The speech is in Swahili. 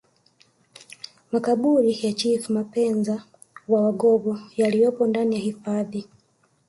Makaburi ya Chifu Mapenza wa wagogo yaliyopo ndani ya hifadhi